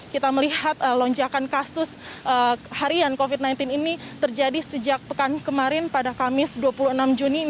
kita melihat lonjakan kasus harian covid sembilan belas ini terjadi sejak pekan kemarin pada kamis dua puluh enam juni